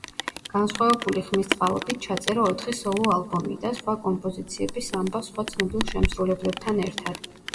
განსხვავებული ხმის წყალობით ჩაწერა ოთხი სოლო–ალბომი და სხვა კომპოზიციები სამბას სხვა ცნობილ შემსრულებლებთან ერთად.